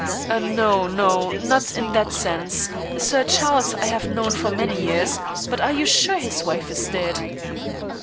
"No, no, not in that sense. Sir Charles I have known for many years. But are you sure his wife is dead?"